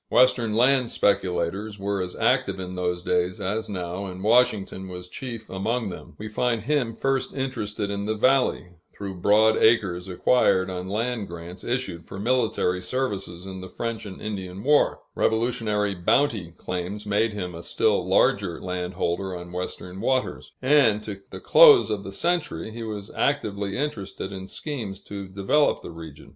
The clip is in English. Western land speculators were as active in those days as now, and Washington was chief among them. We find him first interested in the valley, through broad acres acquired on land grants issued for military services in the French and Indian War; Revolutionary bounty claims made him a still larger landholder on Western waters; and, to the close of the century, he was actively interested in schemes to develop the region.